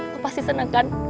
lu pasti seneng kan